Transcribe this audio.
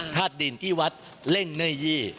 ธาตุดินที่วัดเล่งเนยยี่